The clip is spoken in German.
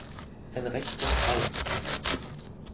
Ein Recht der Frauen.